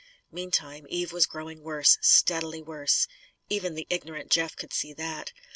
Meantime, Eve was growing worse, steadily worse. Even the ignorant Jeff could see that.